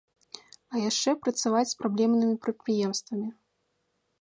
А яшчэ працаваць з праблемнымі прадпрыемствамі.